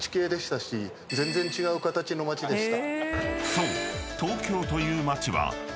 ［そう］